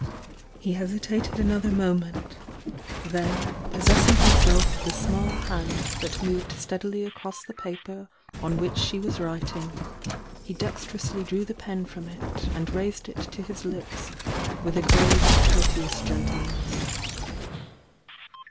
He hesitated another moment,— then possessmg THE YOUNG DIANA 211 himself of the small hand that moved steadUy across toe paper on which she was writing, he dexterously drew the pen from it and raised it to his lips with a grave and courteous gentleness.